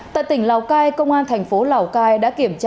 tại tỉnh lào cai công an tp lào cai đã kiểm tra